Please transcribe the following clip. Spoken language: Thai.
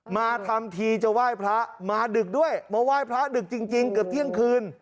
มาทำทีจะไหว้พระมาดึกด้วยมาไหว้พระดึกจริงเกือบเที่ยงคืน